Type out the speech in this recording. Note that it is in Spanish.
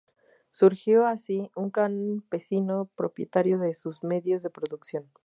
Surgió, así, un campesino propietario de sus medios de producción.